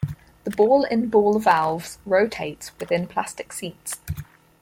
The ball in ball valves rotates within plastic seats.